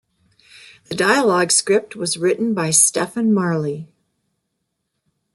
The dialogue script was written by Stephen Marley.